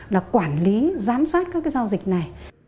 là quản lý giám sát các cái giao dịch này